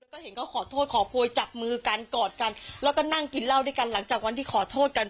ก็เห็นเขาขอโทษขอโพยจับมือกันกอดกันแล้วก็นั่งกินเหล้าด้วยกันหลังจากวันที่ขอโทษกัน